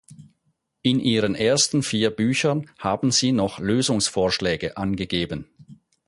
In ihren ersten vier Büchern haben sie noch Lösungsvorschläge angegeben.